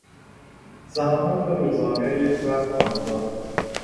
زحمات روزانهی یک زن خانهدار